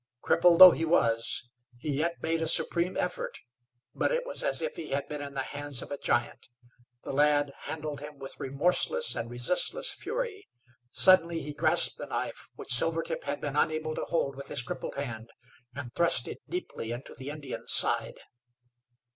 Crippled, though he was, he yet made a supreme effort, but it was as if he had been in the hands of a giant. The lad handled him with remorseless and resistless fury. Suddenly he grasped the knife, which Silvertip had been unable to hold with his crippled hand, and thrust it deeply into the Indian's side.